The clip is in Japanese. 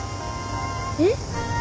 えっ。